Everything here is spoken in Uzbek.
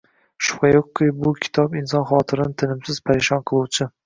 Shubha yo‘qki, bu kitob inson xotirini tinimsiz parishon qiluvchi